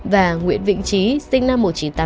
và nguyễn vĩnh trí sinh năm một nghìn chín trăm tám mươi